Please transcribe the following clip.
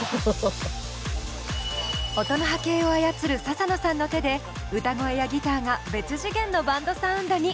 音の波形を操るササノさんの手で歌声やギターが別次元のバンドサウンドに。